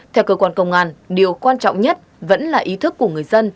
theo cơ quan công an điều quan trọng nhất vẫn là ý thức của người dân